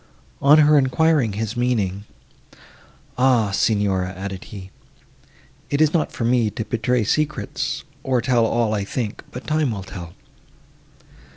On her enquiring his meaning, "Ah, Signora!" added he, "it is not for me to betray secrets, or tell all I think, but time will tell."